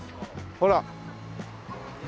ほら。